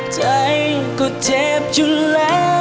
ใจก็เจ็บอยู่แล้ว